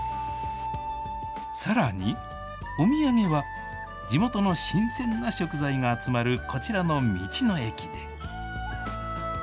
さらに、お土産は、地元の新鮮な食材が集まるこちらの道の駅で。